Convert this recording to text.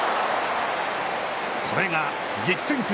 これが激戦区